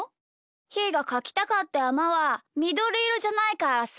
ひーがかきたかったやまはみどりいろじゃないからさ。